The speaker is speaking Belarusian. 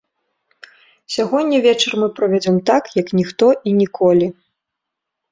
Сягоння вечар мы правядзём так, як ніхто і ніколі.